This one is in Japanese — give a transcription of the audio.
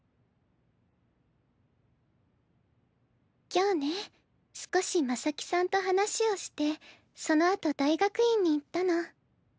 今日ね少し真咲さんと話をしてそのあと大学院に行ったの。